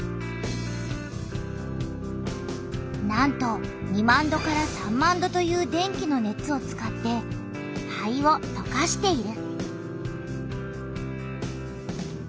なんと２万度３万度という電気の熱を使って灰を溶かしている。